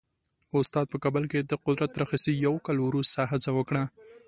استاد په کابل کې د قدرت تر اخیستو یو کال وروسته هڅه وکړه.